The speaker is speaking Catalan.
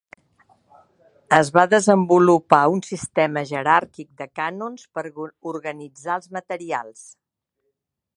Es va desenvolupar un sistema jeràrquic de canons per organitzar els materials.